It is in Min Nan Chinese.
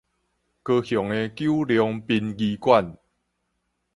高雄的九龍殯儀館